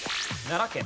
奈良県。